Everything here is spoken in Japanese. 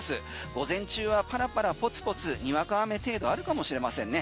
午前中はパラパラポツポツにわか雨程度あるかもしれませんね。